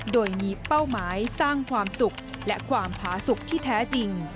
โดยมีเป้าหมายสร้างความสุขและความผาสุขที่แท้จริง